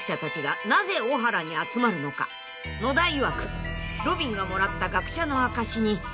［野田いわく］